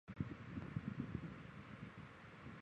四个强壮的鳍状肢显示滑齿龙是强壮的游泳者。